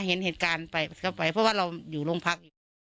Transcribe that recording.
เห็นเหตุการณ์เขาไปเพราะเราอยู่โรงพัก